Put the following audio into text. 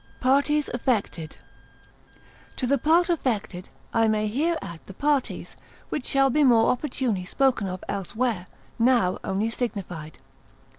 Parties affected.] To the part affected, I may here add the parties, which shall be more opportunely spoken of elsewhere, now only signified.